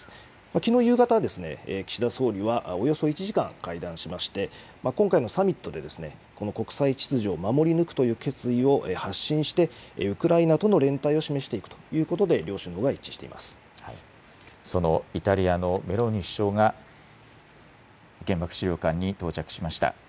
きのう夕方、岸田総理はおよそ１時間会談しまして、今回のサミットでこの国際秩序を守り抜くという決意を発信して、ウクライナとの連帯を示していくということで両首脳が一致していそのイタリアのメローニ首相が、原爆資料館に到着しました。